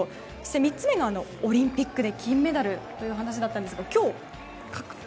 ３つ目がオリンピックで金メダルという話だったんですが今日、獲得。